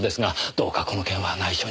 どうかこの件は内緒に。